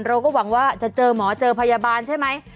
เราก็หวังว่าจะเจอหมอเจอพยาบาลใช่ไหม